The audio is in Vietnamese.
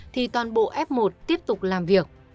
thì toàn bộ f một tiếp tục làm việc